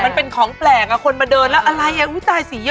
มันเป็นของแปลกอะคนมาเดินแล้วอะไรอุ้ย